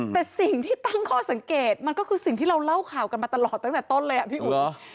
แต่สิ่งที่ตั้งข้อสังเกตมันก็คือสิ่งที่เราเล่าข่าวกันมาตลอดตั้งแต่ต้นเลยอ่ะพี่อุ๋ย